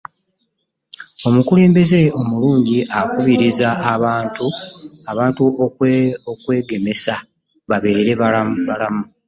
omukulembeze omulungi akubiriza abantu okwegemesa babeere bbalamu